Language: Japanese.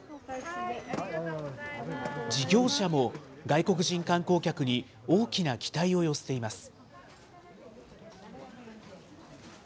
事業者も外国人観光客に大きな期待を寄せています。